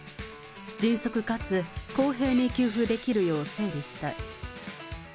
迅速かつ公平に給付できるよう整理したい。